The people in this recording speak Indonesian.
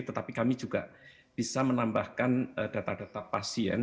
tetapi kami juga bisa menambahkan data data pasien